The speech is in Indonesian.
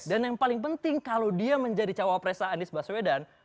dan yang paling penting kalau dia menjadi cawapresa anies baswedan